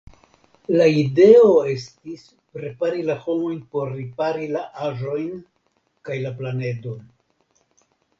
La ideo estis prepari la homojn por ripari la aĵojn kaj la planedon.